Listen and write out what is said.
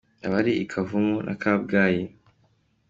Abari i Kavumu na Kabgayi